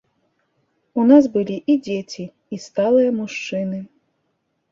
У нас былі і дзеці, і сталыя мужчыны.